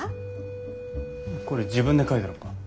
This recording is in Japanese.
これ自分で描いたのか。